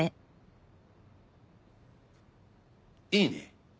いいね。